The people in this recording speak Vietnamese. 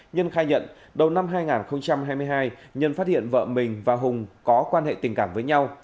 nhân khai nhận đầu năm hai nghìn hai mươi hai nhân phát hiện vợ mình và hùng có quan hệ tình cảm với nhau